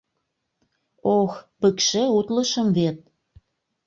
— Ох, пыкше утлышым вет!